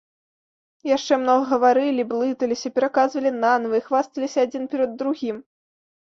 Яшчэ многа гаварылі, блыталіся, пераказвалі нанава і хвасталіся адзін перад другім.